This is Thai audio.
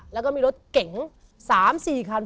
แล้วก็มีรถเก๋ง๓๔คัน